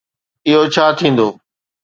اهو ڇا ٿيندو؟